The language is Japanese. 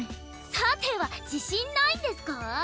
さては自信ないんですか？